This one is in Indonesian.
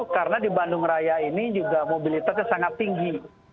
karena di bandung raya ini mobilitasnya sangat tinggi